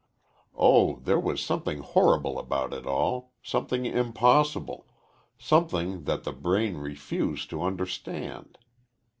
Oh, there was something horrible about it all something impossible something that the brain refused to understand.